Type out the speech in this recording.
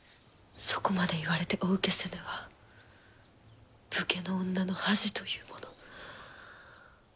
そこまで言われてお受けせぬは武家の女の恥というもの。